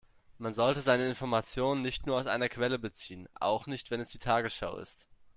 Man sollte seine Informationen nicht nur aus einer Quelle beziehen, auch nicht wenn es die Tagesschau ist.